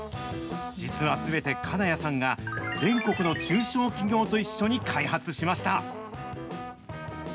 実はすべて金谷さんが、全国の中小企業と一緒に開発しました。